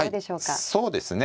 はいそうですね